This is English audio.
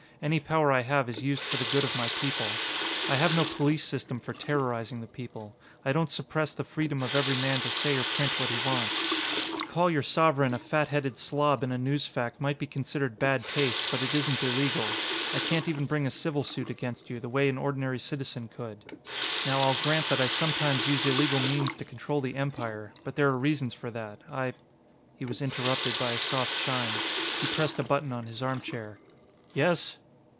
Any power I have is used for the good of my people. I have no police system for terrorizing the people; I don't suppress the freedom of every man to say or print what he wants. To call your Sovereign a fatheaded slob in a newsfac might be considered bad taste, but it isn't illegal. I can't even bring a civil suit against you, the way an ordinary citizen could. "Now, I'll grant that I sometimes use illegal means to control the Empire. But there are reasons for that. I " He was interrupted by a soft chime. He pressed a button on his armchair. "Yes?"